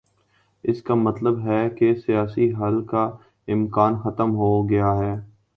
اس کا مطلب ہے کہ سیاسی حل کا امکان ختم ہو گیا ہے۔